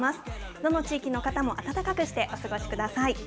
どの地域の方も暖かくしてお過ごしください。